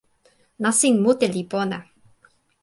nasin mute li pona.